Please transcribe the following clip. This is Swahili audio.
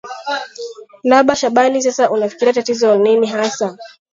laba shabani sasa unafikiria tatizo nini hasa